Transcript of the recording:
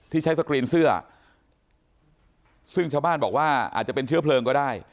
ใช้สกรีนเสื้อซึ่งชาวบ้านบอกว่าอาจจะเป็นเชื้อเพลิงก็ได้